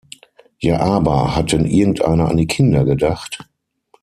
Ja aber, hat denn irgendeiner an die Kinder gedacht?